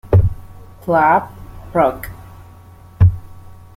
Club; Proc.